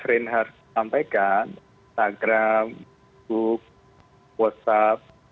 pemerintah harus sampaikan instagram facebook whatsapp